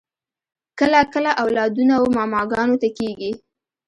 کله کله اولادونه و ماماګانو ته کیږي